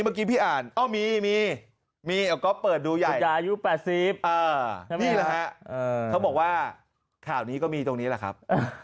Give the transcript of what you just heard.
เมื่อกี้พี่อ่านอ้อมีมีก๊อฟเปิดดูอยากอายุ๘๐นี่แหละฮะเขาบอกว่าข่าวนี้ก็มีตรงนี้แหละครับ